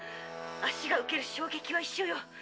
足が受ける衝撃は一緒よ。